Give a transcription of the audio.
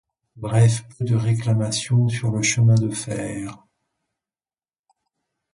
Bref, peu de réclamations sur le chemin de fer.